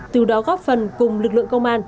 từ đó góp phần cùng lực lượng công an